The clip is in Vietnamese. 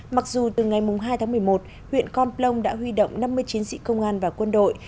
mặc dù từ ngày hai tháng một mươi một huyện con plong đã huy động năm mươi chiến sĩ công an và quân đội